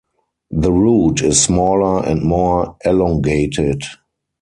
The root is smaller and more elongated.